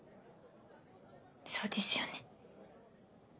そうですよね。